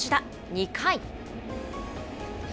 ２回。